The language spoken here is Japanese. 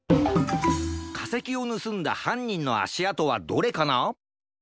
かせきをぬすんだはんにんのあしあとはどれかな？